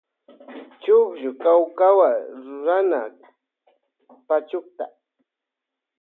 Chukllu kapkawa rurana pachukta.